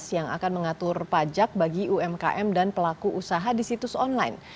yang akan mengatur pajak bagi umkm dan pelaku usaha di situs online